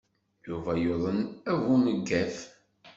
Yuba yuḍen abuneggaf.